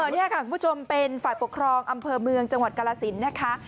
นี่ค่ะคุณผู้ชมเป็นฝ่ายปกครองอำเภอเมืองจังหวัดกาลสินนะคะ